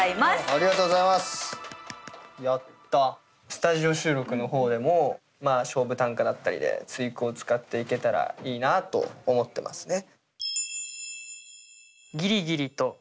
スタジオ収録の方でも勝負短歌だったりで対句を使っていけたらいいなと思ってますね。